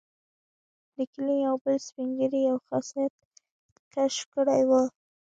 د کلي یو بل سپین ږیري یو خاصیت کشف کړی وو.